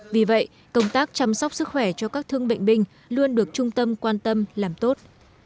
vì vậy công tác chăm sóc sức khỏe cho các thương bệnh binh luôn được trung tâm quan tâm làm tốt